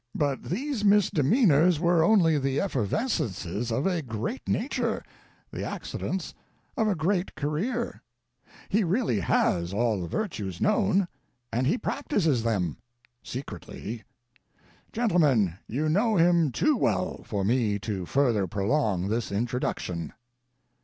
But these misdemeanors were only the effervescences of a great nature, the accidents of a great career. He really has all the virtues known, and he practices them secretly. Gentlemen, you know him too well for me to further prolong this introduction."